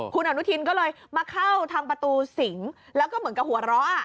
คุณอนุทินก็เลยมาเข้าทางประตูสิงแล้วก็เหมือนกับหัวเราะ